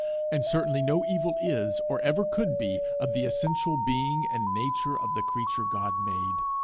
And certainly no evil is, or ever could be, of the essential being and nature of the creature God made!